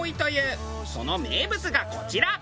その名物がこちら。